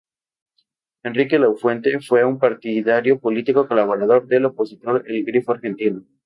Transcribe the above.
Enrique Lafuente fue un partidario político colaborador del opositor El Grito Argentino.